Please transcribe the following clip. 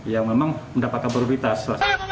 ya memang mendapatkan prioritas